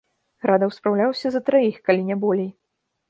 Градаў спраўляўся за траіх, калі не болей.